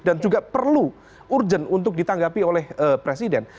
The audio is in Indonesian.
dan juga perlu urgent untuk ditanggapi oleh presiden